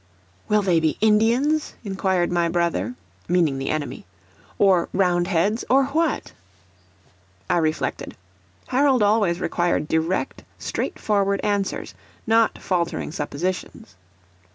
"Will they be Indians?" inquired my brother (meaning the enemy); "or Roundheads, or what?" I reflected. Harold always required direct, straightforward answers not faltering suppositions.